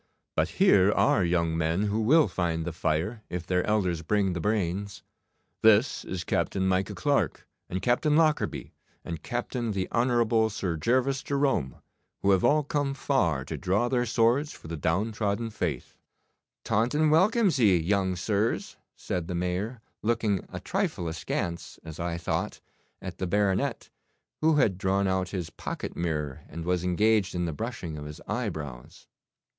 But here are young men who will find the fire if their elders bring the brains. This is Captain Micah Clarke, and Captain Lockarby, and Captain the Honourable Sir Gervas Jerome, who have all come far to draw their swords for the downtrodden faith.' 'Taunton welcomes ye, young sirs,' said the Mayor, looking a trifle askance, as I thought, at the baronet, who had drawn out his pocket mirror, and was engaged in the brushing of his eyebrows.